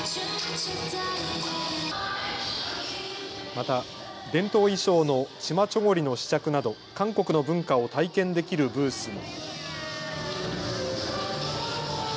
また伝統衣装のチマ・チョゴリの試着など韓国の文化を体験できるブースも。